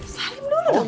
salim dulu dong